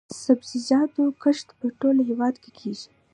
د سبزیجاتو کښت په ټول هیواد کې کیږي